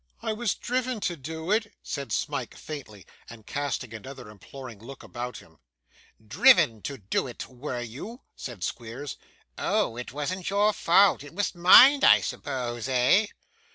'I was driven to do it,' said Smike faintly; and casting another imploring look about him. 'Driven to do it, were you?' said Squeers. 'Oh! it wasn't your fault; it was mine, I suppose eh?